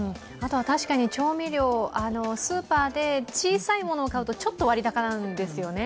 調味料、スーパーで小さいものを買うとちょっと割高なんですよね。